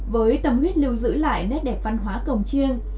với tâm huyết lưu giữ lại nét đẹp văn hóa cổng chiêng